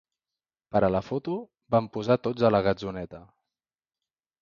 Per a la foto vam posar tots a la gatzoneta.